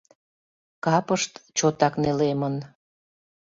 Капышт чотак нелемын.